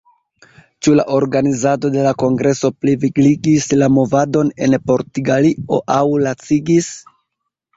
Ĉu la organizado de la kongreso plivigligis la movadon en Portugalio aŭ lacigis?